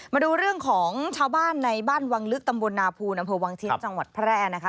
มาดูเรื่องของชาวบ้านในบ้านวังลึกตำบลนาภูนอำเภอวังชิ้นจังหวัดแพร่นะคะ